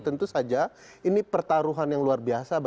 tentu saja ini pertaruhan yang luar biasa bagi mahkamah